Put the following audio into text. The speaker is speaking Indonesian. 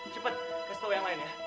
cepat kesel yang lain ya